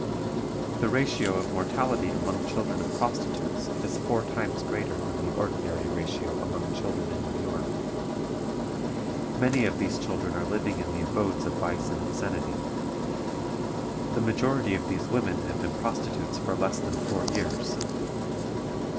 The ratio of mortality among children of prostitutes is four times greater than the ordinary ratio among children in New York. Many of these children are living in the abodes of vice and obscenity. The majority of these women have been prostitutes for less than four years.